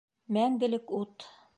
Мәңгелек ут!